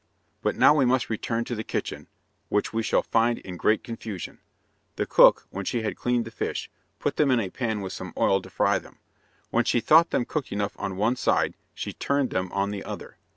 But now we must return to the kitchen, which we shall find in great confusion. The cook, when she had cleaned the fish, put them in a pan with some oil to fry them. When she thought them cooked enough on one side she turned them on the other.